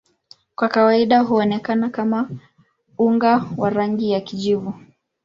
Kwa kawaida huonekana kama unga wa rangi ya kijivu.